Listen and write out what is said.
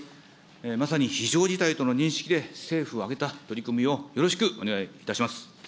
まさに非常事態との認識で、政府を挙げた取り組みをよろしくお願いいたします。